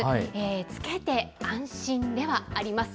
つけて安心ではありません。